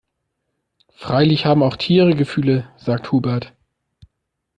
Freilich haben auch Tiere Gefühle, sagt Hubert.